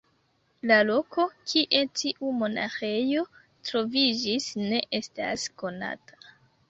La loko, kie tiu monaĥejo troviĝis ne estas konata.